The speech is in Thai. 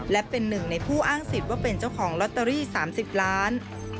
และเป็นหนึ่งในผู้อ้างสิทธิ์ว่าเป็นเจ้าของลอตเตอรี่๓๐ล้าน